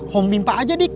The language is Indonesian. hom pimpa aja dik